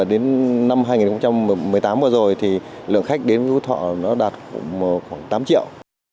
đến năm hai nghìn một mươi tám vừa rồi lượng khách đến phú thọ đạt khoảng tám triệu